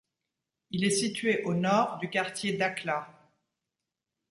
Il est situé au nord du quartier Dakhla.